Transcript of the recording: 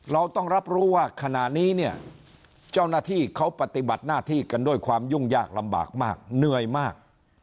เราต้องรับรู้ว่าขณะนี้เนี่ยเจ้าหน้าที่เขาปฏิบัติหน้าที่กันด้วยความยุ่งยากลำบากมากเหนื่อยมาก